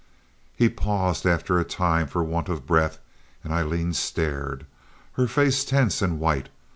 He paused after a time for want of breath and Aileen stared, her face tense and white.